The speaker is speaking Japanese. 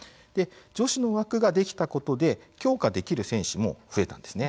女子の枠ができたことで強化できる選手も増えました。